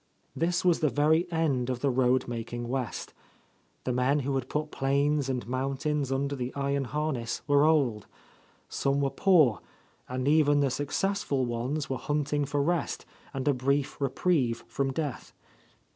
This was the very end of the road making — t68— A Lost Lady West; the men who had put plains and moun tains under the iron harness were old; some were poor, and even the successful ones; were hunting for rest and a brief reprieve from death.